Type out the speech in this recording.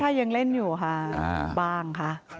ถ้ายังเล่นอยู่ค่ะบ้างค่ะ